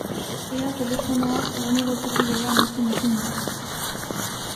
Ea telefonoa egunero toki berean uzten duzun!